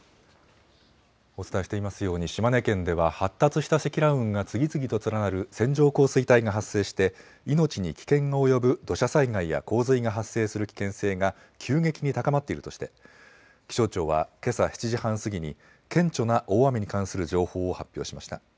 お伝えしていますように島根県では発達した積乱雲が次々と連なる線状降水帯が発生して命に危険が及ぶ土砂災害や洪水が発生する危険性が急激に高まっているとして気象庁はけさ７時半過ぎに顕著な大雨に関する情報を発表しました。